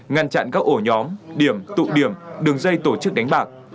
ngăn chặn các ổ nhóm điểm tụ điểm đường dây tổ chức đánh bạc